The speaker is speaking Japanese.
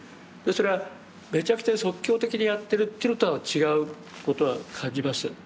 それはメチャクチャに即興的にやってるというのとは違うことは感じます。